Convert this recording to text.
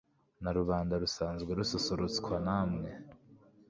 na rubanda rusanzwe rususurutswa namwe